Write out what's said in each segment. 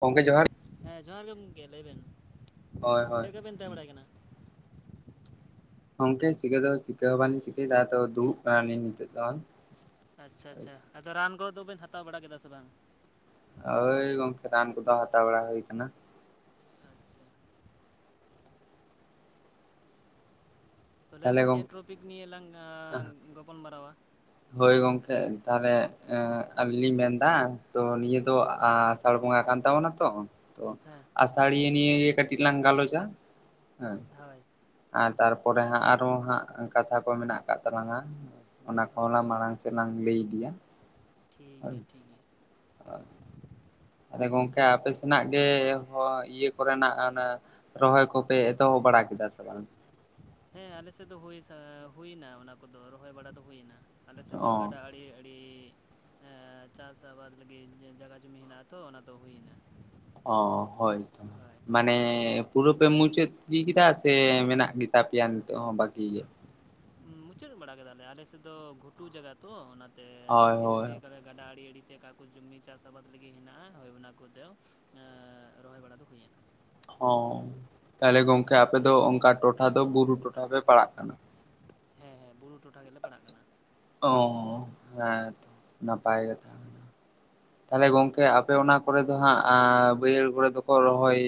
ᱜᱚᱢᱠᱮ ᱡᱚᱦᱟᱨ᱾ ᱦᱮᱸ ᱡᱚᱦᱟᱨ ᱜᱮ ᱜᱚᱢᱠᱮ ᱞᱟᱹᱭ ᱵᱮᱱ, ᱦᱳᱭ ᱪᱮᱫ ᱦᱳᱭ ᱞᱮᱠᱟ ᱵᱮᱱ ᱛᱟᱦᱮᱸ ᱵᱟᱲᱟᱭ ᱠᱟᱱᱟ? ᱜᱚᱢᱠᱮ ᱪᱤᱠᱟᱹ ᱫᱚ ᱪᱤᱠᱟᱹ ᱦᱚᱸ ᱵᱟᱝᱞᱤᱧ ᱪᱤᱠᱟᱹᱭᱫᱟ᱾ ᱟᱫᱚ ᱫᱩᱲᱩᱵ ᱠᱟᱱᱟᱞᱤᱧ ᱱᱤᱛᱚᱜ ᱫᱚ᱾ ᱟᱪᱪᱷᱟ ᱟᱪᱪᱷᱟ ᱟᱫᱚ ᱨᱟᱱ ᱠᱚᱫᱚ ᱵᱮᱱ ᱦᱟᱛᱟᱣ ᱵᱟᱲᱟ ᱠᱮᱫᱟ ᱥᱮ ᱵᱟᱝ? ᱦᱳᱭ ᱜᱚᱝᱠᱮ ᱨᱟᱱ ᱠᱚᱫᱚ ᱦᱟᱛᱟᱣ ᱵᱟᱲᱟ ᱦᱩᱭ ᱠᱟᱱᱟ᱾ ᱟᱪᱪᱷᱟ᱾ ᱛᱚ ᱞᱟᱹᱭ ᱛᱟᱦᱚᱞᱮ ᱵᱮᱱ ᱪᱮᱫ ᱜᱚᱝᱠᱮ ᱴᱨᱚᱯᱤᱠ ᱱᱤᱭᱮ ᱞᱟᱝ ᱜᱟᱯᱟᱞᱢᱟᱨᱟᱣᱟ᱾ ᱦᱳᱭ ᱜᱚᱝᱠᱮ ᱛᱟᱦᱚᱞᱮ ᱟᱹᱞᱤᱧ ᱞᱤᱧ ᱢᱮᱱ ᱫᱟ ᱛᱚ ᱱᱤᱭᱟᱹ ᱫᱚ ᱟ ᱥᱟᱲ ᱵᱚᱸᱜᱟ ᱠᱟᱱ ᱛᱟᱵᱚᱱᱟ ᱛᱚ ᱛᱚ ᱦᱮᱸ ᱟᱥᱟᱹᱲᱤ ᱱᱤᱭᱮ ᱜᱮ ᱠᱟᱹᱴᱤᱡ ᱞᱟᱝ ᱜᱟᱞᱚᱪᱟ ᱦᱮᱸ᱾ ᱦᱳᱭ᱾ ᱟᱨ ᱛᱟᱨᱯᱚᱨᱮ ᱦᱟᱸᱜ ᱟᱨᱦᱚ ᱦᱟᱸᱜ ᱠᱟᱛᱷᱟ ᱠᱚ ᱢᱮᱱᱟᱜ ᱠᱟᱜ ᱛᱟᱞᱟᱝᱟ ᱚᱱᱟ ᱚ ᱠᱚᱦᱚᱞᱟᱝ ᱢᱟᱲᱟᱝ ᱥᱮᱞᱟᱝ ᱞᱟᱹᱭ ᱤᱫᱤᱭᱟ᱾ ᱴᱷᱤᱠ ᱜᱮᱭᱟ ᱴᱷᱤᱠ ᱜᱮᱭᱟ᱾ [inaudible] ᱟᱫᱚ ᱜᱚᱝᱠᱮ ᱟᱯᱮ ᱥᱮᱱᱟᱜ ᱜᱮ ᱦᱚ ᱤᱭᱟᱹ ᱠᱚᱨᱮᱱᱟᱜ ᱚᱱᱮ ᱨᱚᱦᱚᱭ ᱠᱚᱯᱮ ᱮᱛᱚᱦᱚᱵ ᱵᱟᱲᱟ ᱠᱮᱫᱟ ᱥᱮ ᱵᱟᱝ? ᱦᱮᱸ ᱟᱞᱮᱥᱮᱫ ᱫᱚ ᱦᱩᱭ ᱥᱟ ᱮᱸ ᱦᱩᱭᱱᱟ ᱚᱱᱟ ᱠᱚᱫᱚ ᱨᱚᱦᱚᱭ ᱵᱟᱲᱟ ᱫᱚ ᱦᱩᱭ ᱮᱱᱟ᱾ ᱟᱞᱮ ᱥᱮᱫ ᱚ ᱫᱚ ᱜᱟᱰᱟ ᱟᱲᱮ ᱟᱹᱲᱤ ᱮᱸ ᱪᱟᱥ ᱟᱵᱟᱫᱽ ᱞᱟᱹᱜᱤᱫ ᱡᱟᱜᱟ ᱡᱩᱢᱤ ᱦᱮᱸᱱᱟᱜ ᱟᱛᱚ ᱚᱱᱟ ᱫᱚ ᱦᱩᱭᱱᱟ᱾ ᱚ ᱦᱳᱭ ᱛᱚ ᱦᱳᱭ ᱢᱟᱱᱮ ᱯᱩᱨᱟᱹ ᱯᱮ ᱢᱩᱪᱟᱹᱫ ᱤᱫᱤ ᱠᱮᱫᱟ ᱥᱮ ᱢᱮᱱᱟᱜ ᱜᱮᱛᱟ ᱯᱮᱭᱟ ᱱᱤᱛᱚᱜ ᱦᱚᱸ ᱵᱟᱹᱠᱤ ᱜᱮ? ᱢᱩᱪᱟᱹᱫ ᱵᱟᱲᱟ ᱠᱮᱫᱟᱞᱮ ᱟᱞᱮ ᱥᱮᱫ ᱫᱚ ᱜᱷᱩᱴᱩ ᱡᱟᱜᱟ ᱛᱚ ᱚᱱᱟᱛᱮ ᱦᱳᱭ ᱱᱟᱥᱮ ᱦᱳᱭ ᱱᱟᱥᱮ [unintelligible] ᱜᱟᱰᱟ ᱟᱲᱮ ᱟᱲᱮᱛᱮ ᱚᱠᱟ ᱠᱚ ᱡᱩᱢᱤ ᱪᱟᱥ ᱟᱵᱟᱫ ᱞᱟᱹᱜᱤᱫ ᱦᱮᱸᱱᱟᱜᱼᱟ ᱦᱳᱭ ᱚᱱᱟ ᱠᱚᱫᱚ ᱨᱚᱦᱚᱭ ᱵᱟᱲᱟ ᱫᱚ ᱦᱩᱭᱱᱟ᱾ ᱚᱸ ᱛᱟᱦᱚᱞᱮ ᱜᱚᱝᱠᱮ ᱟᱯᱮ ᱫᱚ ᱚᱱᱠᱟ ᱴᱚᱴᱷᱟ ᱫᱚ ᱵᱩᱨᱩ ᱴᱚᱴᱷᱟ ᱯᱮ ᱯᱟᱲᱟᱜ ᱠᱟᱱᱟ? ᱦᱮᱸ ᱦᱮᱸ ᱵᱩᱨᱩ ᱴᱚᱴᱷᱟ ᱜᱮᱞᱮ ᱯᱟᱲᱟᱜ ᱠᱟᱱᱟ᱾ ᱚ ᱦᱮᱸ ᱛᱚ ᱱᱟᱯᱟᱭ ᱜᱮ ᱛᱟᱦᱮᱸ ᱠᱟᱱᱟ ᱛᱟᱦᱚᱞᱮ ᱜᱚᱝᱠᱮ ᱟᱯᱮ ᱚᱱᱟ ᱠᱚᱨᱮ ᱫᱚ ᱦᱟᱸ ᱵᱟ. ᱭᱦᱟ. ᱲ ᱠᱚᱨᱮ ᱫᱚᱠᱚ ᱨᱚᱦᱚᱭ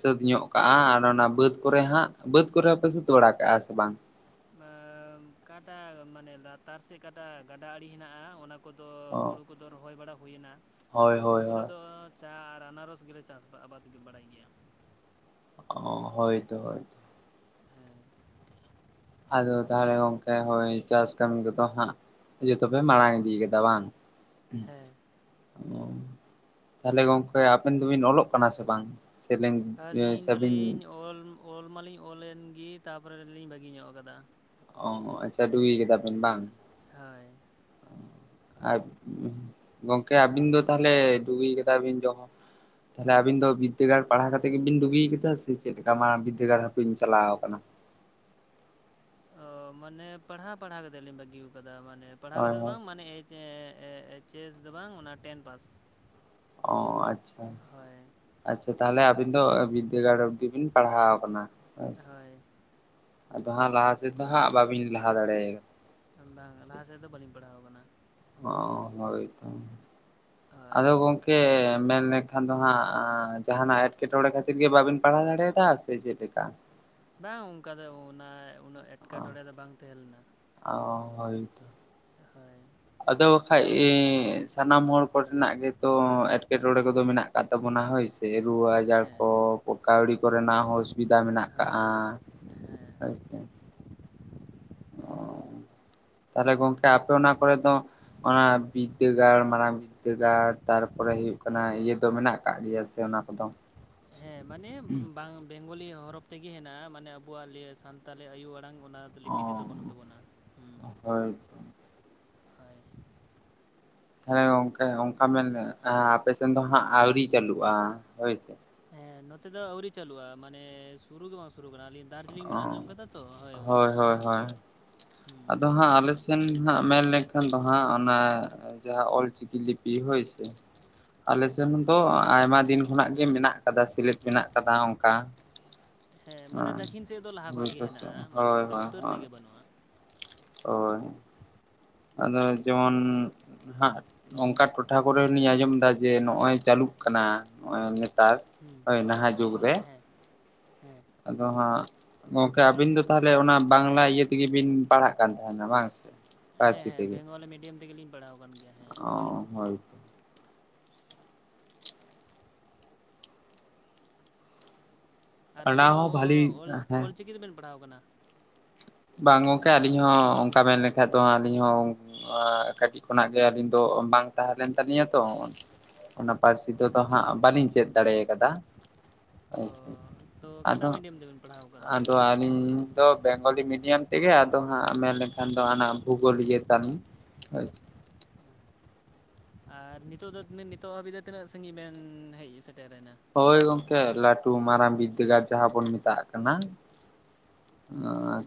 ᱥᱟᱹᱛ ᱧᱚᱜ ᱠᱟᱜᱼᱟ ᱟᱨ ᱚᱱᱟ ᱵᱟᱹᱫᱽ ᱠᱚᱨᱮ ᱦᱟᱸᱜ ᱵᱟᱹᱫᱽ ᱠᱚᱨᱮ ᱦᱚᱸᱯᱮ ᱥᱟᱹᱛ ᱵᱟᱲᱟ ᱠᱟᱜᱼᱟ ᱥᱮ ᱵᱟᱝ? ᱟᱸ ᱠᱟᱸᱴᱟ ᱢᱟᱱᱮ ᱞᱟᱛᱟᱨ ᱥᱮᱫ ᱠᱟᱸᱴᱟ ᱜᱟᱰᱟ ᱟᱲᱮ ᱦᱮᱸᱱᱟᱜᱼᱟ ᱚᱱᱟ ᱠᱚ ᱠᱚᱫᱚ ᱚ ᱦᱩᱲᱩ ᱠᱚᱫᱚ ᱨᱚᱦᱚᱭ ᱵᱟᱲᱟ ᱦᱩᱭᱮᱱᱟ, ᱟᱨ ᱦᱳᱭ ᱜᱷᱩᱴᱩ ᱦᱳᱭ ᱠᱚᱨᱮ ᱦᱳᱭ ᱫᱚ ᱪᱟ ᱟᱨ ᱟᱱᱟᱨᱚᱥ ᱜᱮᱞᱮ ᱪᱟᱥ ᱟᱵᱟᱫᱽ ᱜᱮ ᱵᱟᱲᱟᱭ ᱜᱮᱭᱟ᱾ ᱚ ᱦᱳᱭ ᱛᱚ ᱦᱳᱭ᱾ ᱦᱮᱸ᱾ ᱦᱟᱞᱠᱟᱜᱮ ᱜᱚᱢᱠᱮ ᱦᱳᱭ ᱪᱟᱥ ᱠᱟᱹᱢᱤ ᱠᱚᱫᱚ ᱦᱟᱸᱜ ᱤᱭᱟᱹ ᱛᱚᱯᱮ ᱢᱟᱲᱟᱝ ᱤᱫᱤ‌‌ ᱠᱟᱫᱟ ᱵᱟᱝ? ᱦᱮᱸ ᱦᱩᱸ ᱚ ᱛᱟᱦᱞᱮ ᱜᱚᱝᱠᱮ ᱟᱵᱮᱱ ᱫᱚᱵᱤᱱ ᱚᱞᱚᱜ ᱠᱟᱱᱟ ᱥᱮ ᱵᱟᱝ? ᱥᱮᱵᱤᱱ ᱟᱹᱞᱤᱧ ᱥᱮᱵᱤᱱ ᱫᱚᱞᱤᱧᱞ ᱚᱞ ᱢᱟᱞᱤᱧ ᱚᱞ ᱮᱱᱜᱤ ᱛᱟᱨᱯᱚᱨᱮᱞᱤᱧ ᱵᱟᱹᱜᱤ ᱧᱚᱜ ᱠᱟᱫᱟ᱾ ᱚ ᱟᱪᱪᱷᱟ ᱰᱩᱜᱤ ᱠᱟᱫᱟᱵᱤᱱ ᱵᱟᱝ? ᱦᱳᱭ ᱟᱨ ᱜᱚᱝᱠᱮ ᱟᱹᱵᱤᱱ ᱫᱚ ᱛᱟᱦᱟᱞᱮ ᱰᱩᱜᱤ ᱠᱟᱛ ᱵᱤᱱ ᱡᱚᱢᱚᱱ ᱛᱟᱦᱚᱞᱮ ᱟᱵᱤᱱ ᱫᱚ ᱵᱤᱫᱽᱫᱟᱹᱜᱟᱲ ᱯᱟᱲᱦᱟᱣ ᱠᱟᱛᱮᱫ ᱜᱮᱵᱤᱱ ᱰᱟᱜᱤ ᱠᱟᱫᱟ ᱥᱮ ᱪᱮᱫ ᱞᱮᱠᱟ ᱢᱟ ᱵᱤᱫᱽᱫᱟᱹᱜᱟᱲ ᱦᱚᱸ ᱵᱤᱱ ᱪᱟᱞᱟᱣ ᱠᱟᱱᱟ? ᱚ ᱢᱟᱱᱮ ᱯᱟᱲᱦᱟᱣ ᱯᱟᱲᱦᱟᱣ ᱠᱟᱛᱮᱫ ᱞᱤᱧ ᱵᱟᱹᱜᱤ ᱠᱟᱫᱟ ᱢᱟᱱᱮ ᱯᱟᱲᱦᱟᱣ ᱦᱳᱭ ᱠᱟᱛᱮᱫ ᱫᱚ ᱦᱳᱭ ᱵᱟᱝ ᱢᱟᱱᱮ ᱮᱡ ᱪᱮ ᱮ ᱪᱮᱥ ᱫᱚ ᱵᱟᱝ ᱚᱱᱟ ᱴᱮᱱ ᱯᱟᱥ᱾ ᱚ ᱟᱪᱪᱷᱟ᱾ ᱦᱳᱭ ᱟᱪᱪᱷᱟ ᱛᱟᱦᱞᱮ ᱟᱹᱵᱤᱱ ᱫᱚ ᱵᱤᱫᱽᱫᱟᱹᱜᱟᱲ ᱚᱯᱫᱤ ᱵᱤᱱ ᱯᱟᱲᱦᱟᱣ ᱠᱟᱱᱟ ᱦᱮᱸᱥᱮ᱾ ᱦᱳᱭ ᱟᱫᱚ ᱦᱟᱸᱜ ᱞᱟᱦᱟ ᱥᱮᱫ ᱫᱚ ᱦᱟᱸᱜ ᱵᱟᱹᱵᱤᱱ ᱞᱟᱦᱟ ᱫᱟᱲᱮᱭ ᱵᱟᱝ ᱞᱟᱦᱟ ᱥᱮᱫ ᱫᱚ ᱵᱟᱹᱞᱤᱧ ᱯᱟᱲᱦᱟᱣ ᱠᱟᱱᱟ᱾ ᱚ ᱦᱚᱭ ᱛᱚ ᱦᱳᱭ ᱟᱫᱚ ᱜᱚᱝ ᱠᱮ ᱢᱮᱱ ᱞᱮᱠᱷᱟᱱ ᱫᱚ ᱦᱟᱸᱜ ᱡᱟᱦᱟᱸᱱᱟᱜ ᱮᱴᱠᱮᱴᱚᱬᱮ ᱠᱷᱟᱹᱛᱤᱨ ᱜᱮ ᱵᱟᱵᱤᱱ ᱯᱟᱲᱦᱟᱣ ᱫᱟᱲᱮᱭᱟᱫᱟ ᱥᱮ ᱪᱮᱫᱮᱠᱟ? ᱵᱟᱝ ᱚᱱᱠᱟ ᱫᱚ ᱚᱱᱟ ᱩᱱᱟᱹᱜ ᱮᱴᱠᱮᱴᱚᱬᱮ ᱚ ᱫᱚ ᱵᱟᱝ ᱛᱟᱦᱮᱸ ᱞᱮᱱᱟ ᱦᱳᱭ ᱛᱚ᱾ ᱦᱳᱭ᱾ ᱟᱫᱚ ᱵᱟᱠᱷᱟᱡ ᱤ ᱥᱟᱱᱟᱢ ᱦᱚᱲ ᱠᱚᱨᱮᱱᱟᱜ ᱜᱮᱛᱚ ᱮᱴᱠᱮᱴᱚᱬᱮ ᱠᱚᱫᱚ ᱢᱮᱱᱟᱜ ᱠᱟᱜ ᱛᱟᱵᱚᱱᱟ ᱦᱳᱭ ᱥᱮ᱾ ᱥᱮ ᱨᱩᱣᱟᱹ ᱟᱡᱟᱨ ᱠᱚ ᱦᱮᱸ ᱠᱟᱹᱣᱰᱤ ᱠᱚᱨᱮᱱᱟᱜ ᱦᱚᱸ ᱚᱥᱩᱵᱤᱫᱷᱟ ᱢᱮᱱᱟᱜ ᱦᱳᱭ ᱠᱟᱜᱼᱟ ᱦᱮᱸ ᱟᱪᱪᱷᱟ ᱚ ᱯᱛᱟᱦᱚᱞᱮ ᱜᱚᱝᱠᱮ ᱟᱯᱮ ᱚᱱᱟ ᱠᱚᱨᱮ ᱫᱚ ᱚᱱᱟ ᱵᱤᱫᱽᱫᱟᱹᱜᱟᱲ ᱢᱟᱨᱟᱝ ᱵᱤᱫᱽᱫᱟᱹᱜᱟᱲ ᱛᱟᱨᱯᱚᱨᱮ ᱦᱩᱭᱩᱜ ᱠᱟᱱᱟ ᱤᱭᱟᱹ ᱫᱚ ᱢᱮᱱᱟᱜ ᱠᱟᱜ ᱜᱮᱭᱟ ᱥᱮ ᱚᱱᱟ ᱠᱚᱫᱚ? ᱦᱮᱸ ᱢᱟᱱᱮ ᱵᱟᱝ ᱵᱮᱝᱜᱚᱞᱤ ᱦᱚᱨᱚᱯ ᱛᱮᱜᱮ ᱦᱮᱱᱟᱜᱼᱟ ᱢᱟᱱᱮ ᱟᱵᱚᱣᱟᱜ ᱞᱤᱭᱮ ᱥᱟᱱᱛᱟᱞᱤ ᱟᱭᱳ ᱟᱲᱟᱝ ᱚᱱᱟ ᱞᱤᱯᱤ ᱛᱮᱫᱚ ᱵᱟᱹᱱᱩᱜ ᱛᱟᱵᱚᱱᱟ ᱦᱩ ᱦᱳᱭ ᱦᱳᱭ ᱛᱟᱦᱚᱞᱮ ᱜᱚᱝᱠᱮ ᱚᱱᱠᱟ ᱢᱮᱱ ᱞᱮ ᱟᱯᱮᱥᱮᱱ ᱫᱚ ᱦᱟᱸᱜ ᱟᱹᱣᱨᱤ ᱪᱟᱹᱞᱩᱜᱼᱟ ᱦᱳᱭ ᱥᱮ ᱦᱮᱸ ᱱᱚᱛᱮ ᱫᱚ ᱟᱹᱣᱨᱤ ᱪᱟᱹᱞᱩᱜᱼᱟ ᱢᱟᱱᱮ ᱥᱩᱨᱩ ᱜᱮ ᱵᱟᱝ ᱥᱩᱨᱩ ᱠᱟᱱᱟ ᱟᱹᱞᱤᱧ ᱫᱟᱨᱡᱤᱞᱤᱝ ᱚ ᱵᱮᱱ ᱟᱸᱡᱚᱢ ᱠᱟᱫᱟ ᱛᱚ ᱦᱳᱭ ᱚᱱᱛᱮ ᱦᱩᱸ ᱦᱟ ᱟᱞᱮ ᱥᱮ ᱜᱟᱱ ᱦᱟᱜ ᱢᱮᱱ ᱞᱮᱠᱷᱟᱱ ᱫᱚ ᱦᱟᱸᱜ ᱚᱱᱟ ᱡᱟᱦᱟᱸ ᱚᱞᱪᱤᱠᱤ ᱞᱤᱯᱤ ᱦᱳᱭ ᱥᱮ ᱟᱞᱮ ᱦᱳᱭ ᱥᱮᱱ ᱫᱚ ᱟᱭᱢᱟ ᱫᱤᱱ ᱠᱷᱚᱱᱟᱜ ᱜᱮ ᱢᱮᱱᱟᱜ ᱠᱟᱫᱟ ᱥᱤᱞᱮᱫ ᱢᱮᱱᱟᱜ ᱠᱟᱫᱟ ᱚᱱᱠᱟ ᱚ ᱠᱷᱤᱱ ᱥᱮᱫ ᱫᱚ ᱞᱟᱦᱟ ᱠᱷᱚᱱᱟᱜ ᱜᱮ ᱦᱮᱱᱟᱜᱼᱟ ᱢᱟᱱᱮ ᱱᱚᱛᱮ ᱩᱛᱛᱚᱨ ᱥᱮᱫ ᱜᱮ ᱵᱟᱹᱱᱩᱜᱼᱟ ᱚᱳᱭ ᱟᱫᱚ ᱡᱮᱢᱚᱱ ᱦᱟᱸᱜ ᱚᱱᱠᱟ ᱴᱚᱴᱷᱟ ᱠᱚᱨᱮ ᱞᱤᱧ ᱟᱸᱡᱚᱢ ᱮᱫᱟ ᱡᱮ ᱱᱚᱜᱼᱚᱭ ᱪᱟᱹᱞᱩᱜ ᱠᱟᱱᱟ ᱱᱚᱜᱚᱭ ᱱᱮ ᱦᱩᱸ ᱦᱮᱸ ᱦᱮᱸ ᱦᱮᱸ ᱟᱫᱚ ᱦᱟᱸᱜ ᱜᱚᱝᱠᱮ ᱟᱹᱵᱤᱱ ᱫᱚ ᱛᱟᱦᱚᱞᱮ ᱚᱱᱟ ᱵᱟᱝᱞᱟ ᱤᱭᱟᱹ ᱛᱮᱜᱮ ᱵᱤᱱ ᱯᱟᱲᱦᱟᱜ ᱠᱟᱱ ᱛᱟᱦᱮᱱᱟ ᱵᱟᱝ ᱥᱮ ᱦᱮᱸ ᱯᱟᱹᱨᱥᱤ ᱦᱮᱸ ᱛᱮᱜᱮ ᱵᱮᱝᱜᱚᱞᱤ ᱢᱤᱰᱤᱭᱟᱢ ᱛᱮᱜᱮᱞᱤᱧ ᱯᱟᱲᱦᱟᱣ ᱟᱠᱟᱱ ᱜᱮᱭᱟ ᱦᱮᱸ ᱚ ᱦᱳᱭ ᱟᱨ ᱚᱱᱟ ᱟᱹᱵᱤᱱ ᱫᱚ ᱦᱚᱸ ᱵᱷᱟᱞᱤ ᱚᱞ ᱦᱮᱸ ᱚᱞᱪᱤᱠᱤ ᱛᱮᱵᱮᱱ ᱯᱟᱲᱦᱟᱣ ᱠᱟᱱᱟ? ᱵᱟᱝ ᱜᱚᱝᱠᱮ ᱟᱹᱞᱤᱧ ᱦᱚᱸ ᱚᱱᱠᱟ ᱢᱮᱱ ᱞᱮᱠᱷᱟ ᱫᱚ ᱟᱹᱞᱤᱧ ᱦᱚᱸ ᱠᱟᱹᱴᱤᱡ ᱠᱷᱚᱱᱟᱜ ᱜᱮ ᱟᱹᱞᱤᱧ ᱫᱚ ᱵᱟᱝ ᱛᱟᱦᱮᱸ ᱞᱮᱱ ᱛᱟᱹᱞᱤᱧᱟ ᱛᱚ ᱚᱱᱟ ᱯᱟᱹᱨᱥᱤ ᱫᱚ ᱛᱚ ᱦᱮᱸ ᱦᱟᱸᱜ ᱵᱟᱹᱞᱤᱧ ᱪᱮᱫ ᱫᱟᱲᱮ ᱠᱟᱫᱟ ᱦᱳᱭ ᱚ ᱥᱮ ᱛᱚ ᱟᱫᱚ ᱚᱠᱟᱴᱟᱜ ᱢᱤᱰᱤᱭᱟᱢ ᱛᱮᱵᱮᱱ ᱯᱟᱲᱦᱟᱣ ᱟᱠᱟᱫᱟ ᱟᱫᱚ ᱟᱹᱞᱤᱧ ᱫᱚ ᱵᱮᱝᱜᱚᱞᱤ ᱢᱤᱰᱤᱭᱟᱢ ᱛᱮᱜᱮ ᱟᱫᱚ ᱦᱟᱸᱜ ᱢᱮᱱ ᱞᱮᱠᱷᱟᱱ ᱫᱚ ᱦᱟᱱᱟ ᱵᱷᱩᱜᱳᱞ ᱤᱭᱟᱹ ᱛᱟᱞᱤᱧ ᱦᱳᱭ ᱟᱨ ᱱᱤᱛᱚᱜ ᱫᱚ ᱱᱤᱛᱚᱜ ᱦᱟᱹᱵᱤᱡ ᱫᱚ ᱛᱤᱱᱟᱹᱜ ᱥᱟᱺᱜᱤᱧ ᱵᱮᱱ ᱦᱮᱡ ᱥᱮᱴᱮᱨ ᱮᱱᱟ? ᱦᱳᱭ ᱜᱚᱝᱠᱮ ᱞᱟᱹᱴᱩ ᱢᱟᱨᱟᱝ ᱵᱤᱫᱽᱫᱟᱹᱜᱟᱲ ᱡᱟᱦᱟᱸ ᱵᱚᱱ ᱢᱮᱛᱟᱜ ᱠᱟᱱᱟ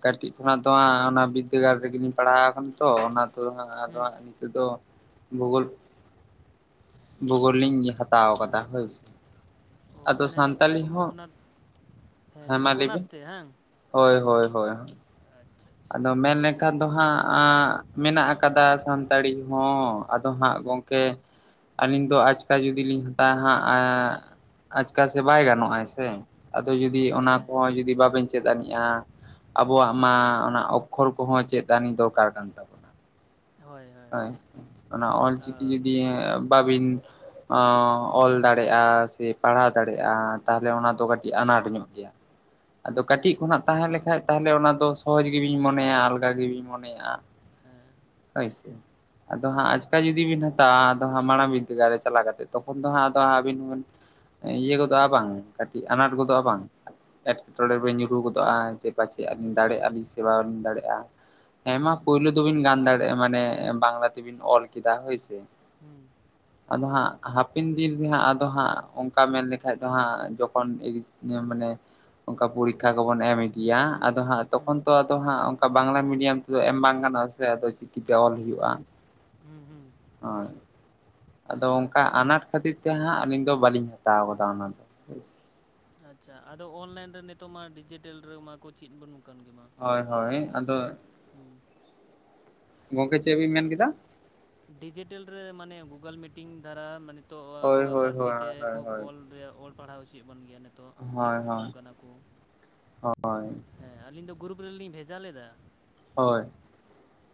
ᱠᱟᱹᱴᱤᱡ ᱠᱷᱚᱱᱟᱜ ᱫᱚ ᱦᱟᱸᱜ ᱚᱱᱟ ᱵᱤᱫᱽᱫᱟᱹᱜᱟᱲ ᱨᱮᱜᱮᱞᱤᱧ ᱯᱟᱲᱦᱟᱣ ᱟᱠᱟᱱᱟ ᱛᱚ ᱚᱱᱟ ᱫᱚ ᱦᱟᱜ ᱟᱨᱚ ᱦᱩᱸ ᱦᱟᱜ ᱱᱤᱛᱚᱜ ᱫᱚ ᱵᱷᱩᱜᱳᱞ ᱵᱷᱩᱜᱳᱞ ᱞᱤᱧ ᱦᱟᱛᱟᱣ ᱠᱟᱫᱟ ᱦᱳᱭ ᱥᱮ ᱚ ᱟᱫᱚ ᱢᱟᱱᱮ ᱪᱮᱫ ᱥᱟᱱᱛᱟᱲᱤ ᱠᱚ ᱦᱚᱸ ᱚᱱᱟ ᱦᱮᱸ ᱢᱟ ᱡᱮᱢᱚᱱ ᱚᱱᱟᱨᱥ ᱞᱟᱹᱭᱵᱤᱱ? ᱛᱮ ᱦᱳᱭ ᱦᱳᱭ ᱦᱳᱭ ᱮᱫ ᱟᱫᱚ ᱢᱮᱱᱮᱠ ᱠᱟ ᱫᱚ ᱦᱟᱸᱜ ᱢᱮᱱᱟᱜ ᱟᱠᱟᱫᱟ ᱥᱟᱱᱛᱟᱲᱤ ᱦᱚᱸ ᱟᱫᱚ ᱦᱟᱸᱜ ᱜᱚᱝᱠᱮ ᱟᱹᱞᱤᱧ ᱫᱚ ᱟᱪᱠᱟ ᱡᱩᱫᱤ ᱞᱤᱧ ᱦᱟᱛᱟᱣᱟ ᱦᱟᱸᱜ ᱮ ᱟᱪᱠᱟ ᱥᱮ ᱵᱟᱭ ᱜᱟᱱᱚᱜᱟᱭ ᱥᱮ ᱟᱫᱚ ᱡᱩᱫᱤ ᱚᱱᱟ ᱦᱮᱸ ᱠᱚᱦᱚᱸ ᱡᱩᱫᱤ ᱵᱟᱵᱮᱱ ᱪᱮᱫ ᱟᱹᱱᱤᱡᱼᱟ ᱟᱵᱚᱣᱟᱜ ᱢᱟ ᱦᱮᱸ ᱚᱠᱠᱷᱚᱨ ᱠᱚᱦᱚᱸ ᱪᱮᱫ ᱫᱟᱱᱤ ᱫᱚᱨᱠᱟᱨ ᱠᱟᱱ ᱛᱟᱢᱟ ᱦᱮᱸ ᱦᱳᱭ ᱦᱳᱭ ᱮ ᱚᱱᱟ ᱚᱞ ᱦᱳᱭ ᱚ ᱪᱤᱠᱤ ᱡᱩᱫᱤ ᱵᱟᱹᱵᱤᱱ ᱟ ᱚᱞ ᱫᱟᱲᱮᱭᱟᱜᱼᱟ ᱥᱮ ᱯᱟᱲᱦᱟᱣ ᱫᱟᱲᱭᱟᱜᱼᱟ ᱛᱟᱦᱚᱞᱮ ᱚᱱᱟ ᱫᱚ ᱠᱟᱹᱴᱤᱡ ᱟᱱᱟᱴ ᱧᱚᱜ ᱜᱮᱭᱟ [unintelligible] ᱟᱫᱚ ᱦᱩᱸ ᱠᱟᱹᱴᱤᱡ ᱠᱷᱚᱱᱟᱜ ᱛᱟᱦᱮᱸ ᱞᱮᱠᱟᱡ ᱛᱟᱦᱚᱞᱮ ᱚᱱᱟ ᱫᱚ ᱥᱚᱦᱚᱡ ᱜᱮᱵᱤᱱ ᱢᱚᱱᱮᱭᱟ ᱟᱞᱜᱟ ᱜᱮᱵᱤᱱ ᱢᱚᱱᱮᱭᱟ᱾ ᱦᱮᱸ ᱦᱳᱭ ᱥᱮ ᱟᱫᱚ ᱦᱟᱸᱜ ᱟᱪᱠᱟ ᱦᱳᱭ ᱡᱩᱫᱤ ᱵᱤᱱ ᱦᱟᱛᱟᱣᱟ ᱟᱫᱚ ᱦᱟᱸᱜ ᱢᱟᱲᱟᱝ ᱵᱤᱫᱫᱟᱹᱜᱟᱲᱨᱮ ᱪᱟᱞᱟᱣ ᱠᱟᱛᱮᱫ ᱛᱚᱠᱷᱚᱱ ᱫᱚ ᱦᱟᱸᱜ ᱟᱫᱚ ᱟᱵᱤᱱ ᱦᱚᱸᱵᱤᱱ ᱤᱭᱟᱹ ᱜᱚᱫᱚᱜ-ᱟ ᱵᱟᱝ᱾ ᱠᱟᱹᱴᱤᱡ ᱟᱱᱟᱴ ᱜᱚᱫᱚᱜ-ᱟ ᱦᱳᱭ ᱵᱟᱝ᱾ ᱮᱴᱠᱮᱴᱚᱬᱮ ᱨᱮᱵᱮᱱ ᱧᱩᱨᱦᱩ ᱜᱚᱫᱚᱜ-ᱟ ᱡᱮ ᱯᱟᱪᱮᱫ ᱟᱹᱵᱤᱱ ᱦᱩᱸ ᱫᱟᱲᱮᱜ-ᱟ ᱥᱮ ᱵᱟᱝ ᱵᱤᱱ ᱫᱟᱲᱮᱜ-ᱟ᱾ ᱦᱮᱸ ᱢᱟ ᱦᱩᱸ ᱯᱳᱭᱞᱳ ᱫᱚᱵᱤᱱ ᱜᱟᱱ ᱫᱟᱲᱮᱜ-ᱟ, ᱢᱟᱱᱮ ᱵᱟᱝᱞᱟ ᱛᱮᱵᱤᱱ ᱚᱞ ᱠᱮᱫᱟ ᱦᱳᱭᱥᱮ ᱦᱩᱸ᱾ [unintelligible] ᱟᱫᱚ ᱦᱟᱸᱜ ᱦᱟᱯᱮᱱ ᱫᱤᱱ ᱨᱮ ᱦᱟᱸᱜ ᱟᱫᱚ ᱦᱟᱸᱜ ᱚᱱᱠᱟ ᱢᱮᱱ ᱞᱮᱠᱷᱟᱡ ᱫᱚ ᱦᱟᱸᱜ ᱡᱚᱠᱷᱚᱱ ᱢᱟᱱᱮ ᱚᱱᱠᱟ ᱯᱚᱨᱤᱠᱠᱷᱟ ᱠᱚᱵᱚᱱ ᱮᱢᱮᱫ ᱜᱮᱭᱟ ᱟᱫᱚ ᱦᱟᱸᱜ ᱦᱩᱸ ᱛᱚᱠᱷᱚᱱ ᱛᱚ ᱟᱫᱚ ᱦᱟᱸᱜ ᱚᱱᱠᱟ ᱵᱟᱝᱞᱟ ᱢᱤᱰᱤᱭᱟᱢ ᱛᱮᱫᱚ ᱮᱢ ᱵᱟᱝ ᱜᱟᱱᱚᱜ-ᱟ ᱥᱮ ᱟᱫᱚ ᱪᱤᱠᱤᱛᱮ ᱚᱞ ᱦᱩᱭᱩᱜ-ᱟ᱾ ᱦᱩᱭᱩᱜ-ᱟ᱾ ᱦᱩᱸ ᱦᱩᱸ᱾ ᱦᱳᱭ ᱟᱫᱚ ᱚᱱᱠᱟ ᱟᱱᱟᱴ ᱠᱷᱟᱹᱛᱤᱨ ᱛᱮ ᱦᱟᱸᱜ ᱟᱹᱞᱤᱧ ᱫᱚ ᱵᱟᱹᱞᱤᱧ ᱦᱟᱛᱟᱣ ᱠᱟᱫᱟ ᱚᱱᱟ ᱫᱚ ᱾ ᱟᱪᱪᱷᱟ ᱟᱫᱚ ᱚᱱᱞᱟᱭᱤᱱ ᱨᱮ ᱱᱤᱛᱚᱜ ᱢᱟ ᱰᱤᱡᱤᱴᱮᱞ ᱨᱮ ᱢᱟ ᱠᱚ ᱪᱮᱫ ᱵᱟᱹᱱᱩᱜ ᱠᱟᱱ ᱜᱮ ᱢᱟ ᱾ ᱦᱳᱭ ᱦᱳᱭ, ᱟᱫᱚ ᱦᱩᱸ᱾ ᱜᱚᱝᱠᱮ ᱪᱮᱫ ᱵᱤᱱ ᱢᱮᱱ ᱠᱮᱫᱟ? ᱰᱤᱡᱤᱴᱮᱞ ᱨᱮ ᱢᱟᱱᱮ ᱜᱩᱜᱩᱞ ᱢᱤᱴᱤᱝ ᱫᱟᱨᱟ ᱢᱟᱱᱮ ᱱᱤᱛᱚᱜ ᱦᱳᱭ ᱟᱵᱚᱣᱟᱜ ᱦᱳᱭ ᱯᱟᱹᱨᱥᱤ ᱦᱳᱭ ᱛᱮ ᱦᱳᱭ ᱠᱚ ᱦᱳᱭ ᱚᱞ ᱨᱮ ᱚᱞ ᱯᱟᱲᱦᱟᱣ ᱚᱪᱚᱭᱮᱫ ᱵᱚᱱ ᱜᱮᱭᱟ ᱱᱤᱛᱚᱜ᱾ ᱤᱛᱚᱜ ᱪᱮᱫ ᱦᱳᱭ ᱟᱵᱚᱱ ᱦᱳᱭ ᱠᱟᱱᱟ ᱠᱚ ᱦᱳᱭ ᱦᱮᱸ ᱟᱹᱞᱤᱧ ᱫᱚ ᱜᱨᱩᱯ ᱨᱮᱞᱤᱧ ᱵᱷᱮᱡᱟ ᱞᱮᱫᱟ ᱾ ᱦᱳᱭ ᱾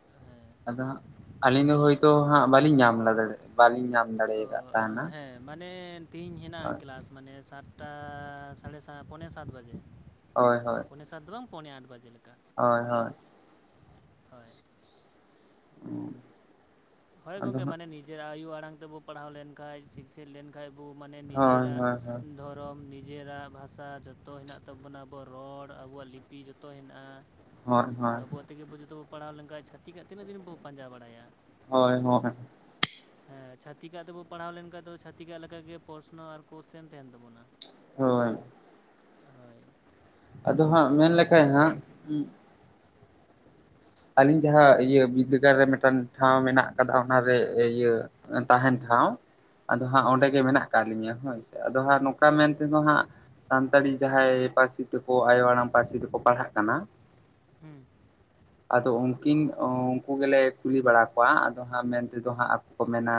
ᱦᱮᱸ᱾ ᱟᱫᱚ ᱦᱟᱸᱜ ᱟᱹᱞᱤᱧ ᱫᱚ ᱦᱳᱭᱛᱳ ᱦᱟᱸᱜ ᱵᱟᱹᱞᱤᱧ ᱧᱟᱢ ᱞᱮᱫ ᱵᱟᱞᱤᱧ ᱚ ᱦᱮᱸ ᱢᱟᱱᱮ ᱛᱦᱤᱧ ᱦᱮᱱᱟᱜ-ᱟ ᱦᱳᱭ ᱠᱮᱞᱟᱥ᱾ ᱢᱟᱱᱮ ᱥᱟᱛᱴᱟ ᱥᱟᱲᱮᱥᱟ ᱯᱚᱱᱮ ᱥᱟᱛ ᱵᱟᱡᱮ ᱾ ᱦᱳᱭ ᱦᱳᱭ ᱾ ᱯᱚᱱᱮ ᱥᱟᱛ ᱫᱚ ᱵᱟᱝ ᱯᱚᱱᱮ ᱟᱴ ᱵᱟᱡᱮ ᱞᱮᱠᱟ ᱾ ᱦᱳᱭ ᱦᱳᱭ ᱾ ᱦᱳᱭ ᱾ [unintelligible] ᱦᱳᱭ ᱟᱫᱚ ᱜᱚᱝᱠᱮ ᱦᱟᱸᱜ ᱢᱟᱱᱮ ᱱᱤᱡᱮᱨᱟᱜ ᱟᱭᱳ ᱟᱲᱟᱝ ᱛᱮᱵᱚ ᱯᱟᱲᱦᱟᱣ ᱞᱮᱱᱠᱷᱟᱡ ᱥᱤᱠᱥ ᱞᱮᱱ ᱠᱷᱟᱡ ᱵᱚ ᱢᱟᱱᱮ ᱦᱳᱭ ᱱᱤᱡᱮᱨᱟᱜ ᱦᱳᱭ ᱫᱷᱚᱨᱚᱢ ᱱᱤᱡᱮᱨᱟᱜ ᱵᱷᱟᱥᱟ ᱡᱚᱛᱚ ᱦᱮᱱᱟᱜ ᱛᱟᱵᱚᱱᱟ ᱟᱵᱚᱣᱟᱜ ᱨᱚᱲ ᱟᱵᱚᱣᱟᱜ ᱞᱤᱯᱤ ᱡᱚᱛᱚ ᱦᱮᱱᱟᱜ-ᱟ᱾ ᱦᱳᱭ ᱦᱳᱭ ᱾ ᱛᱮᱜᱮ ᱵᱚ ᱡᱚᱛᱚ ᱠᱚ ᱯᱟᱲᱟᱣ ᱞᱮᱠᱷᱟᱡ ᱪᱟᱹᱤᱠᱟᱜ ᱛᱤᱱᱟᱹᱜ ᱫᱤᱱ ᱵᱚ ᱯᱟᱧᱡᱟ ᱵᱟᱲᱟᱭᱟ᱾ ᱦᱳᱭ ᱦᱳᱭ ᱾ ᱦᱮᱸ ᱪᱷᱟᱛᱤᱠᱟᱜ ᱛᱮᱵᱚ ᱯᱟᱲᱦᱟᱣ ᱞᱮᱱᱠᱷᱟᱡ ᱫᱚ ᱪᱷᱟᱛᱤᱠᱟᱜ ᱞᱮᱠᱟᱜᱮ ᱯᱨᱚᱥᱱᱚ ᱟᱨ ᱠᱚᱳᱥᱪᱮᱱ ᱛᱟᱦᱮᱱ ᱛᱟᱵᱚᱱᱟ᱾ ᱦᱳᱭ ᱾ ᱦᱳᱭ ᱾ ᱟᱫᱚ ᱦᱟᱸᱜ ᱢᱮᱱᱞᱮᱠᱷᱟᱡ ᱦᱟᱸᱜ ᱟᱹᱞᱤᱧ ᱡᱟᱦᱟᱸ ᱤᱭᱟᱹ ᱵᱤᱫᱫᱟᱹᱜᱟᱲ ᱨᱮ ᱢᱤᱫᱴᱟᱝ ᱴᱷᱟᱶ ᱢᱮᱱᱟᱜ ᱟᱠᱟᱫᱟ ᱚᱱᱟᱨᱮ ᱤᱭᱟᱹ ᱛᱟᱦᱮᱱ ᱴᱷᱟᱶ ᱾ ᱟᱫᱚ ᱦᱟᱸᱜ ᱚᱸᱰᱮᱜ ᱦᱮᱸ ᱜᱮ ᱢᱮᱱᱟᱜ ᱠᱟᱜ ᱞᱤᱧᱟᱹ ᱦᱳᱭ ᱥᱮ ᱟᱫᱚ ᱦᱟᱸᱜ ᱱᱚᱝᱠᱟ ᱦᱳᱭ ᱢᱮᱱ ᱛᱮᱦᱚ ᱦᱟᱸᱜ ᱥᱟᱱᱛᱟᱲᱤ ᱡᱟᱦᱟᱸᱭ ᱯᱟᱹᱨᱥᱤ ᱛᱮᱠᱚ ᱟᱭᱳ ᱟᱲᱟᱝ ᱯᱟᱹᱨᱥᱤ ᱛᱮᱠᱚ ᱯᱟᱲᱦᱟᱜ ᱠᱟᱱᱟ ᱦᱩᱸ ᱾ ᱟᱫᱚ ᱩᱱᱠᱤᱱ ᱩᱱᱠᱩ ᱜᱮᱞᱮ ᱠᱩᱞᱤ ᱵᱟᱲᱟ ᱠᱚᱣᱟ ᱟᱫᱚ ᱦᱟᱸᱜ ᱢᱮᱱ ᱛᱮᱫᱚ ᱦᱟᱸᱜ ᱟᱠᱚ ᱠᱚ ᱢᱮᱱᱟ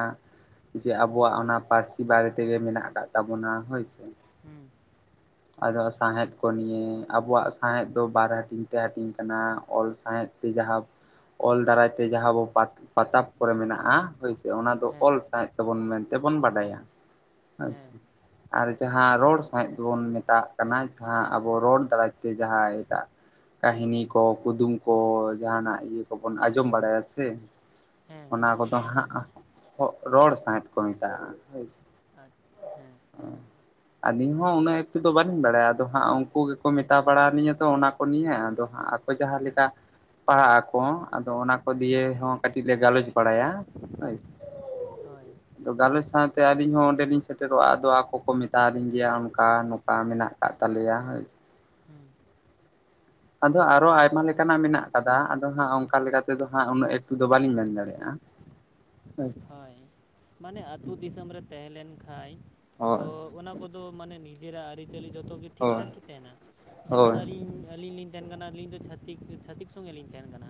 ᱡᱮ ᱟᱵᱚᱣᱟᱜ ᱚᱱᱟ ᱯᱟᱹᱨᱥᱤ ᱵᱟᱨᱮ ᱛᱮᱜᱮ ᱢᱮᱱᱟᱜ ᱟᱠᱟᱜ ᱛᱟᱵᱚᱱᱟ ᱦᱳᱭᱥᱮ ᱾ ᱦᱩᱸ ᱾ [unintelligible] ᱟᱫᱚ ᱥᱟᱸᱦᱮᱫ ᱠᱚ ᱱᱤᱭᱮ ᱟᱵᱚᱣᱟᱜ ᱥᱟᱶᱦᱮᱫ ᱫᱚ ᱵᱟᱨ ᱦᱟᱹᱴᱤᱧ ᱛᱮ ᱦᱟᱹᱴᱤᱧ ᱠᱟᱱᱟ, ᱚᱞ ᱥᱟᱸᱦᱮᱫ ᱥᱮ ᱡᱟᱦᱟᱸ ᱚᱞ ᱫᱟᱨᱟᱭᱛᱮ ᱡᱟᱦᱟᱸ ᱟᱵᱚ ᱯᱟᱛ ᱯᱟᱛᱚᱵ ᱠᱚᱨᱮ ᱢᱮᱱᱟᱜᱼᱟ ᱦᱳᱭᱥᱮ ᱾ ᱚᱱᱟ ᱫᱚ ᱦᱮᱸ ᱚᱞ ᱥᱟᱣᱦᱮᱸᱫ ᱛᱟᱵᱚᱱ ᱢᱮᱱ ᱛᱮᱵᱚᱱ ᱵᱟᱰᱟᱭᱟ ᱾ ᱦᱳᱭ ᱥᱮ ᱦᱮᱸ ᱾ ᱟᱨ ᱡᱟᱦᱟᱸ ᱨᱚᱲ ᱥᱟᱦᱮᱸᱫ ᱫᱚᱵᱚᱱ ᱢᱮᱛᱟᱜ ᱠᱟᱱᱟ ᱡᱟᱦᱟᱸ ᱟᱵᱚ ᱨᱚᱲ ᱫᱟᱨᱟᱭ ᱛᱮ ᱡᱟᱦᱟᱸ ᱮᱴᱟᱜ ᱠᱟᱹᱦᱤᱱᱤ ᱠᱚ, ᱠᱩᱫᱩᱢ ᱠᱚ ᱡᱟᱦᱱᱟᱜ ᱤᱭᱟᱹ ᱠᱚᱵᱚᱱ ᱟᱸᱡᱚᱢ ᱵᱟᱲᱟᱭᱟ ᱥᱮ ᱦᱮᱸ ᱚᱱᱟ ᱠᱚᱫᱚ ᱦᱟᱸᱜ [unintelligible] ᱨᱚᱲ ᱥᱟᱶᱦᱮᱫ ᱠᱚ ᱢᱮᱛᱟᱜᱼᱟ ᱾ ᱟᱪ ᱦᱮᱸ ᱾ ᱟᱹᱞᱤᱧ ᱦᱚᱸ ᱩᱱᱟᱹᱜ ᱮᱠᱴᱩ ᱫᱚ ᱵᱟᱹᱞᱤᱧ ᱵᱟᱲᱟᱭᱟ ᱟᱫᱚ ᱦᱟᱸᱜ ᱩᱱᱠᱩ ᱜᱮᱠᱚ ᱢᱮᱛᱟ ᱵᱟᱲᱟ ᱟᱹᱞᱤᱧᱟ ᱛᱚ ᱚᱱᱟ ᱠᱚ ᱱᱤᱭᱟᱹ, ᱟᱫᱚ ᱦᱟᱸᱜ ᱟᱠᱚ ᱡᱟᱦᱟᱸ ᱞᱮᱠᱟ ᱯᱟᱲᱦᱟᱜ ᱟᱠᱚ ᱟᱫᱚ ᱚᱱᱟ ᱠᱚ ᱦᱩᱸ ᱫᱤᱭᱮ ᱦᱚᱸ ᱠᱟᱹᱴᱤᱡ ᱞᱮ ᱜᱟᱞᱚᱪ ᱵᱟᱲᱟᱭᱟ ᱦᱳᱭ ᱥᱮ ᱾ ᱦᱳᱭ ᱾ ᱟᱫᱚ ᱜᱟᱞᱚᱪ ᱥᱟᱶᱛᱮ ᱟᱹᱞᱤᱧ ᱦᱚᱸ ᱚᱸᱰᱮᱞᱤᱧ ᱥᱮᱴᱮᱨᱚᱜᱼᱟ ᱟᱫᱚ ᱟᱠᱚ ᱠᱚ ᱢᱮᱛᱟᱣ ᱟᱞᱤᱧ ᱜᱮᱭᱟ ᱚᱱᱠᱟ ᱱᱚᱝᱠᱟ ᱢᱮᱱᱟᱜ ᱟᱠᱟᱫ ᱛᱟᱞᱮᱭᱟ ᱦᱳᱭ ᱾ ᱦᱩᱸ ᱾ ᱟᱫᱚ ᱟᱨᱚ ᱟᱭᱢᱟ ᱞᱮᱠᱟᱱᱟᱜ ᱢᱮᱱᱟᱜ ᱠᱟᱫᱟ, ᱟᱫᱚ ᱦᱟᱸᱜ ᱚᱱᱠᱟ ᱦᱩᱸ ᱞᱮᱠᱟ ᱛᱮᱫᱚ ᱦᱟᱸᱜ ᱩᱱᱟᱹᱜ ᱮᱠᱴᱩ ᱫᱚ ᱵᱟᱹᱞᱤᱧ ᱢᱮᱱ ᱫᱟᱲᱮᱜᱼᱟ ᱦᱳᱭ ᱾ ᱦᱳᱭ ᱢᱟᱱᱮ ᱟᱛᱳ ᱫᱤᱥᱚᱢ ᱨᱮ ᱛᱟᱦᱮᱸ ᱞᱮᱱ ᱠᱷᱟᱡ ᱫᱚ ᱦᱳᱭ ᱚᱱᱟ ᱠᱚᱫᱚ ᱢᱟᱱᱮ ᱱᱤᱡᱮᱨᱟᱜ ᱟᱹᱨᱤᱪᱟᱹᱞᱤ ᱡᱷᱚᱛᱚ ᱜᱮ ᱴᱷᱤᱠ ᱴᱷᱟᱠ ᱦᱳᱭ ᱜᱮ ᱛᱟᱦᱮᱱᱟ ᱡᱮᱢᱚᱱ ᱦᱳᱭ ᱟᱞᱤᱧ ᱟᱞᱤᱧ ᱞᱤᱧ ᱛᱟᱦᱮᱱ ᱠᱟᱱᱟ ᱟᱹᱞᱤᱧ ᱫᱚ ᱪᱷᱟᱹᱛᱤᱠ ᱪᱷᱟᱹᱛᱤᱠ ᱥᱚᱸᱜᱮ ᱞᱤᱧ ᱛᱟᱦᱮᱱ ᱠᱟᱱᱟ,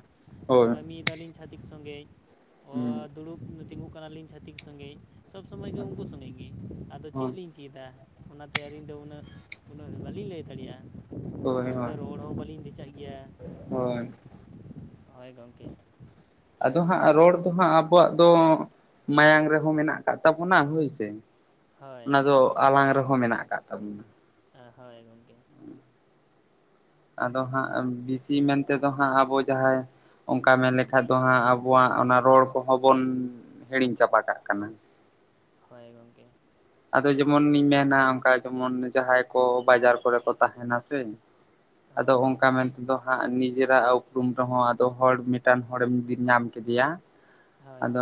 ᱦᱳᱭ ᱦᱳᱭ ᱠᱟᱹᱢᱤᱭᱮᱫᱟᱞᱤᱧ ᱪᱷᱟᱹᱛᱤᱠ ᱥᱚᱸᱜᱮᱡ ᱾ ᱚ ᱫᱩᱲᱩᱵ ᱛᱤᱸᱜᱩᱜ ᱠᱟᱱᱟ ᱞᱤᱧ ᱪᱷᱟᱹᱛᱤᱠ ᱥᱚᱸᱜᱮᱡ ᱥᱚᱵ ᱥᱚᱢᱚᱭ ᱜᱮ ᱩᱱᱠᱩ ᱥᱚᱸᱜᱮ ᱜᱮ ᱟᱫᱚ ᱦᱳᱭ ᱪᱮᱫ ᱞᱤᱧ ᱪᱮᱫᱟ ᱚᱱᱟᱛᱮ ᱟᱹᱞᱤᱧ ᱫᱚ ᱩᱱᱟᱹᱜ ᱩᱱᱟᱹᱜ ᱵᱟᱹᱞᱤᱧ ᱞᱟᱹᱭ ᱫᱟᱲᱮᱜᱼᱟ ᱾ ᱦᱳᱭ ᱢᱚᱡᱽ ᱛᱮ ᱦᱳᱭ ᱨᱚᱲ ᱦᱚᱸ ᱵᱟᱹᱞᱤᱧ ᱫᱮᱪᱟᱜ ᱜᱮᱭᱟ ᱾ ᱦᱳᱭ ᱾ ᱦᱳᱭ ᱜᱚᱢᱠᱮ ᱾ ᱟᱫᱚ ᱦᱟᱸᱜ ᱨᱚᱲ ᱫᱚ ᱦᱟᱸᱜ ᱟᱵᱚᱣᱟᱜ ᱫᱚ ᱢᱟᱭᱟᱝ ᱨᱮᱦᱚᱸ ᱢᱮᱱᱟᱜ ᱟᱠᱟᱜ ᱛᱟᱵᱚᱱᱟ ᱦᱳᱭ ᱥᱮ ᱾ ᱚᱱᱟ ᱦᱳᱭ ᱫᱚ ᱟᱞᱟᱝ ᱨᱮᱦᱚᱸ ᱢᱮᱱᱟᱜ ᱟᱠᱟᱫ ᱛᱟᱵᱚᱱᱟ ᱾ ᱮᱸ ᱦᱳᱭ ᱜᱚᱢᱠᱮ ᱾ ᱟᱫᱚ ᱦᱟᱸᱜ ᱵᱮᱥᱤ ᱢᱮᱱ ᱛᱮᱫᱚ ᱦᱟᱸᱜ ᱟᱵᱚ ᱡᱟᱦᱟᱸᱭ ᱚᱱᱠᱟ ᱢᱮᱱᱞᱠᱷᱟᱡ ᱫᱚ ᱦᱟᱸᱜ ᱟᱵᱚᱣᱟᱜ ᱚᱱᱟ ᱨᱚᱲ ᱠᱚᱦᱚᱸ ᱵᱚᱱ ᱦᱤᱲᱤᱧ ᱪᱟᱵᱟ ᱠᱟᱜ ᱠᱟᱱᱟ ᱾ ᱦᱳᱭ ᱜᱚᱢᱠᱮ ᱾ ᱟᱫᱚ ᱡᱮᱢᱚᱱᱤᱧ ᱢᱮᱱᱟ ᱚᱱᱠᱟ ᱡᱮᱢᱚᱱ ᱡᱟᱦᱟᱸᱭ ᱠᱚ ᱵᱟᱡᱟᱨ ᱠᱚᱨᱮ ᱠᱚ ᱛᱟᱦᱮᱱᱟ ᱥᱮ ᱟᱫᱚ ᱦᱳᱭ ᱚᱱᱠᱟ ᱢᱮᱱ ᱟᱫᱚ ᱦᱟᱸᱜ ᱱᱤᱡᱮᱨᱟᱜ ᱩᱯᱨᱩᱢ ᱨᱮᱦᱚᱸ ᱟᱫᱚ ᱦᱚᱲ ᱢᱤᱫᱴᱟᱱ ᱦᱚᱲᱮᱢ ᱫᱤᱢ ᱧᱟᱢ ᱠᱮᱫᱮᱭᱟ ᱦᱳᱭ ᱟᱫᱚ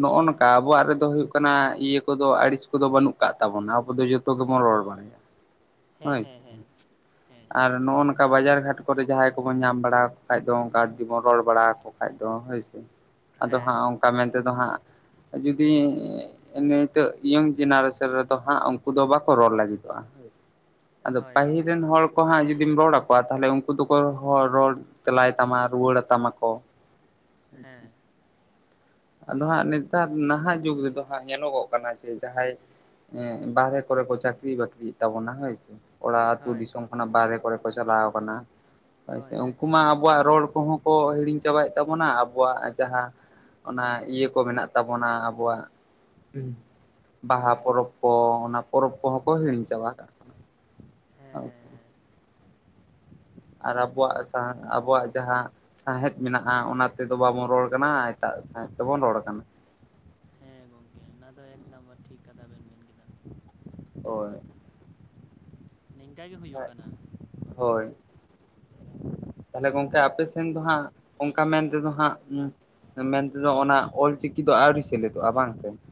ᱱᱚᱜᱼᱚ ᱱᱚᱝᱠᱟ ᱟᱵᱚᱣᱟᱜ ᱨᱮᱫᱚ ᱦᱩᱭᱩᱜ ᱠᱟᱱᱟ ᱤᱭᱟᱹ ᱠᱚᱫᱚ ᱟᱹᱲᱤᱥ ᱠᱚᱫᱚ ᱵᱟᱹᱱᱩᱜ ᱠᱟᱫ ᱛᱟᱵᱚᱱᱟ ᱟᱵᱚ ᱫᱚ ᱡᱚᱛᱚ ᱜᱮᱵᱚᱱ ᱨᱚᱲ ᱵᱟᱲᱟᱭᱟ ᱾ ᱦᱮᱸ ᱦᱳᱭ ᱥᱮ, ᱦᱮᱸ ᱦᱮᱸ ᱦᱮᱸ ᱟᱨ ᱱᱚᱜᱼᱚ ᱱᱚᱝᱠᱟ ᱵᱟᱡᱟᱨ ᱜᱷᱟᱴ ᱠᱚᱨᱮ ᱡᱟᱦᱟᱸᱭ ᱠᱚᱵᱚᱱ ᱧᱟᱢ ᱵᱟᱲᱟ ᱠᱚ ᱠᱷᱟᱡ ᱫᱚ ᱚᱱᱠᱟ ᱡᱩᱫᱤ ᱵᱚᱱ ᱨᱚᱲ ᱵᱟᱲᱟᱭᱟᱠᱚ ᱠᱷᱟᱡ ᱫᱚ ᱦᱳᱭ ᱥᱮ ᱾ ᱟᱫᱚ ᱦᱮᱸ ᱦᱟᱸᱜ ᱚᱱᱠᱟ ᱢᱮᱱᱛᱮ ᱫᱚ ᱦᱟᱸᱜ, ᱡᱩᱫᱤᱻ ᱱᱤᱛᱚᱜ ᱤᱭᱟᱹᱝ ᱟᱞᱮ ᱥᱮᱫ ᱨᱮᱫᱚ ᱦᱟᱸᱜ ᱩᱱᱠᱩ ᱫᱚ ᱵᱟᱠᱚ ᱨᱚᱲ ᱞᱟᱹᱜᱤᱫᱚᱜ-ᱟ, ᱟᱫᱚ ᱦᱳᱭ ᱯᱟᱹᱦᱤᱞ ᱜᱚᱢᱠᱮ ᱨᱮᱱ ᱦᱚᱲ᱾ ᱦᱚᱲ ᱠᱚ ᱦᱟᱸᱜ ᱡᱩᱫᱤᱢ ᱨᱚᱲ ᱟᱠᱚᱣᱟ ᱛᱟᱦᱚᱸᱞᱮ ᱩᱱᱠᱩ ᱫᱚᱠᱚ ᱦᱚᱲ ᱨᱚᱲ ᱛᱮᱞᱟᱭ ᱛᱟᱢᱟ ᱨᱩᱣᱟᱹᱲᱟ ᱛᱟᱢᱟ ᱠᱚ᱾ ᱦᱮᱸ, ᱟᱫᱚ ᱦᱟᱸᱜ ᱱᱮᱛᱟᱨ ᱱᱟᱦᱟᱜ ᱡᱩᱜᱽ ᱨᱮᱫᱚ ᱦᱟᱸᱜ ᱧᱮᱞᱚᱜᱚᱜ ᱠᱟᱱᱟ ᱡᱮ ᱡᱟᱦᱟᱸᱭ᱾ ᱮ ᱵᱟᱦᱨᱮ ᱠᱚᱨᱮ ᱠᱚ ᱪᱟᱠᱨᱤ-ᱵᱟᱠᱨᱤ ᱮᱫ ᱛᱟᱵᱚᱱᱟ ᱦᱳᱭ᱾ ᱚᱲᱟᱜ ᱟᱹᱛᱩ ᱦᱳᱭ ᱫᱤᱥᱚᱢ ᱠᱷᱚᱱᱟᱜ ᱵᱟᱦᱨᱮ ᱠᱚᱨᱮ ᱠᱚ ᱪᱟᱞᱟᱣ ᱠᱟᱱᱟ ᱦᱳᱭ ᱥᱮ᱾ ᱩᱱᱠᱩ ᱢᱟ ᱟᱵᱚᱣᱟᱜ ᱨᱚᱲ ᱠᱚᱦᱚᱸ ᱠᱚ ᱦᱤᱲᱤᱧ ᱪᱟᱵᱟᱭᱮᱫ ᱛᱟᱵᱚᱱᱟ ᱟᱵᱚᱣᱟᱜ ᱡᱟᱦᱟᱸ᱾ ᱚᱱᱟ ᱤᱭᱟᱹ ᱠᱚ ᱢᱮᱱᱟᱜ ᱛᱟᱵᱚᱱᱟ ᱟᱵᱚᱣᱟᱜ ᱵᱟᱦᱟ ᱯᱚᱨᱚᱵᱽ ᱠᱚ, ᱚᱱᱟ ᱯᱚᱨᱚᱵᱽ ᱠᱚᱦᱚᱸ ᱠᱚ ᱦᱤᱲᱤᱧ ᱪᱟᱵᱟ ᱠᱟᱜ᱾ ᱦᱮᱸ ᱦᱳᱭ ᱦᱮᱸ ᱥᱮ, ᱦᱮᱸ, ᱟᱨ ᱟᱵᱚᱣᱟᱜ ᱥᱟᱦᱟ ᱟᱵᱚᱣᱟᱜ ᱡᱟᱦᱟᱸ ᱥᱟᱸᱣᱦᱮᱫ ᱢᱮᱱᱟᱜ-ᱟ ᱚᱱᱟ ᱛᱮᱫᱚ ᱵᱟᱵᱚᱱ ᱨᱚᱲ ᱠᱟᱱᱟ ᱮᱴᱟᱜ ᱥᱟᱸᱣᱦᱮᱫ ᱛᱮᱵᱚᱱ ᱨᱚᱲ ᱠᱟᱱᱟ᱾ ᱦᱮᱸ ᱜᱚᱝᱠᱮ ᱚᱱᱟ ᱫᱚ ᱮᱠᱫᱚᱢ ᱴᱷᱤᱠ ᱠᱟᱛᱷᱟ ᱵᱮᱱ ᱢᱮᱱ ᱠᱮᱫᱟ ᱾ ᱦᱳᱭ, ᱱᱤᱝᱠᱟᱜᱮ ᱦᱩᱭᱩᱜ ᱠᱟᱱᱟ ᱾ ᱦᱳᱭ, ᱛᱟᱦᱸᱞᱮ ᱜᱚᱝᱠᱮ ᱟᱯᱮ ᱥᱮᱱ ᱫᱚ ᱦᱟᱸᱜ, ᱚᱱᱠᱟ ᱢᱮᱱ ᱛᱮᱫᱚ ᱦᱟᱸᱜ ᱩ ᱢᱮᱱ ᱛᱮᱫᱚ ᱚᱱᱟ ᱚᱞ ᱪᱤᱠᱤ ᱫᱚ ᱟᱹᱣᱨᱤ ᱥᱮᱞᱮᱫᱚᱜ-ᱟ ᱵᱟᱝ ᱥᱮ ᱾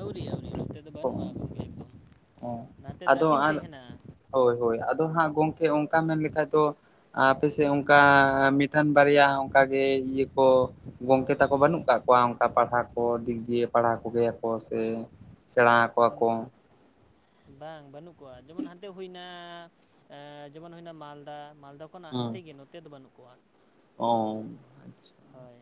ᱟᱹᱣᱨᱤ ᱟᱹᱣᱨᱤ ᱚᱱᱛᱮ ᱫᱚ ᱵᱟᱹᱱᱩᱜ-ᱟ ᱜᱚᱢᱠᱮ ᱮᱠᱫᱚᱢ, ᱱᱟᱛᱮ ᱟᱫᱚ ᱫᱟᱠᱷᱤᱱ ᱟᱨ ᱥᱮᱫ ᱦᱮᱱᱟᱜ-ᱟ ᱾ ᱦᱳᱭ ᱦᱳᱭ, ᱟᱫᱚ ᱦᱟᱸᱜ ᱜᱚᱝᱠᱮ ᱚᱱᱠᱟ ᱢᱮᱱ ᱞᱮᱠᱷᱟᱡ ᱫᱚ ᱟᱯᱮ ᱥᱮᱫ ᱚᱱᱠᱟ ᱢᱤᱫᱴᱟᱱ ᱵᱟᱨᱭᱟ ᱚᱱᱠᱟ ᱜᱮ ᱤᱭᱟᱹ ᱠᱚ ᱜᱚᱝᱠᱮ ᱛᱟᱠᱚ ᱵᱟᱹᱱᱩᱜ ᱠᱟᱜ ᱠᱚᱣᱟ ᱚᱱᱠᱟ ᱯᱟᱲᱦᱟᱣ ᱠᱚ ᱫᱤᱠ ᱫᱤᱭᱮ ᱯᱟᱲᱦᱟᱣ ᱠᱚᱜᱮᱭᱟᱠᱚ ᱥᱮ ᱥᱮᱬᱟ ᱟᱠᱚᱣᱟ ᱠᱚ᱾ ᱵᱟᱝ ᱵᱟᱹᱱᱩᱜ ᱠᱚᱣᱟ, ᱡᱮᱢᱚᱱ ᱦᱟᱱᱛᱮ ᱦᱩᱭᱱᱟᱻ ᱮᱻ ᱡᱮᱢᱚᱱ ᱦᱩᱭᱱᱟ ᱢᱟᱞᱫᱟ ᱢᱟᱞᱫᱟ ᱠᱷᱚᱱᱟᱜ ᱦᱩᱸ ᱦᱟᱱᱛᱮ ᱜᱮ ᱱᱚᱛᱮ ᱫᱚ ᱵᱟᱹᱱᱩᱜ ᱠᱚᱣᱟ᱾ ᱚ ᱟᱪᱪᱷᱟ, ᱦᱳᱭ,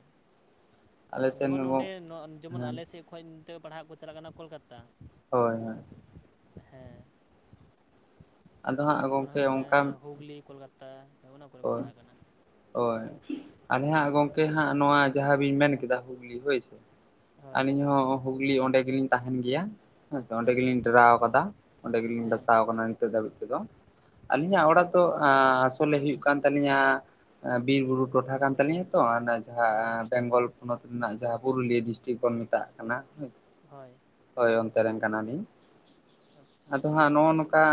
ᱟᱞᱮ ᱥᱮᱱ ᱡᱮᱢᱚᱱ ᱦᱚᱸ ᱱᱚᱸᱰᱮ ᱱᱚ ᱡᱮᱢᱚᱱ ᱦᱳᱭ ᱟᱞᱮᱥᱮᱫ ᱠᱷᱚᱡ ᱱᱚᱛᱮᱜ ᱯᱟᱲᱦᱟᱜ ᱠᱚ ᱪᱟᱞᱟᱜ ᱠᱟᱱᱟ ᱠᱳᱞᱠᱟᱛᱟ ᱾ ᱦᱳᱭ ᱦᱳᱭ, ᱦᱮᱸ, ᱟᱫᱚ ᱦᱟᱸᱜ ᱡᱮᱢᱚᱱ ᱜᱚᱝᱠᱮ ᱦᱩᱭᱱᱟ ᱚᱱᱠᱟ ᱦᱩᱜᱽᱞᱤ, ᱠᱳᱞᱠᱟᱛᱟ ᱚᱱᱟ ᱠᱚᱨᱮ ᱠᱚ ᱦᱳᱭ ᱯᱟᱲᱦᱟᱜ ᱠᱟᱱᱟ ᱾ ᱦᱳᱭ, ᱟᱞᱮ ᱦᱟᱸᱜ ᱜᱚᱝᱠᱮ ᱦᱟᱸᱜ ᱱᱚᱣᱟ ᱡᱟᱦᱟᱸ ᱵᱤᱱ ᱢᱮᱱ ᱠᱮᱫᱟ ᱦᱩᱜᱽᱞᱤ ᱦᱳᱭ ᱥᱮ ᱦᱳᱭ ᱟᱹᱞᱤᱧ ᱦᱚᱸ ᱦᱩᱜᱽᱞᱤ ᱚᱸᱰᱮ ᱜᱮᱞᱤᱧ ᱛᱟᱦᱮᱸᱱ ᱜᱮᱭᱟ ᱾ ᱦᱮᱸ ᱛᱚ ᱚᱸᱰᱮ ᱜᱮᱞᱤᱧ ᱰᱮᱨᱟᱣ ᱠᱟᱫᱟ, ᱚᱸᱰᱮ ᱜᱮᱞᱤᱧ ᱦᱮᱸ ᱰᱟᱥᱟᱣ ᱠᱟᱱᱟ ᱱᱤᱛᱚᱜ ᱫᱷᱟᱹᱵᱤᱡ ᱛᱮᱫᱚ ᱾ ᱟᱪᱪᱷᱟ ᱟᱹᱞᱤᱧᱟᱜ ᱟᱪᱪᱷᱟ ᱚᱲᱟᱜ ᱫᱚ ᱟᱻ ᱚᱞᱮ ᱦᱩᱭᱩᱜ ᱠᱟᱱ ᱛᱟᱹᱞᱤᱧᱟ, ᱵᱤᱨ ᱵᱩᱨᱩ ᱴᱚᱴᱷᱟ ᱠᱟᱱ ᱛᱟᱹᱞᱤᱧᱟ ᱛᱚ ᱚᱱᱟ ᱦᱮᱸ ᱡᱟᱦᱟᱸ ᱵᱮᱝᱜᱚᱞ ᱯᱚᱱᱚᱛ ᱨᱮᱱᱟᱜ ᱡᱟᱦᱟᱸ ᱯᱩᱨᱩᱞᱤᱭᱟᱹ ᱰᱤᱥᱴᱤᱠ ᱵᱚᱱ ᱢᱮᱛᱟᱜ ᱠᱟᱱᱟ ᱦᱳᱭ᱾ ᱦᱳᱭ, ᱦᱳᱭ ᱚᱱᱛᱮ ᱨᱮᱱ ᱠᱟᱱᱟ ᱞᱤᱧ, ᱟᱪᱪᱷᱟ ᱟᱫᱚ ᱦᱩᱸ ᱦᱟᱸᱜ ᱱᱚᱜ-ᱚ ᱱᱚᱝᱠᱟ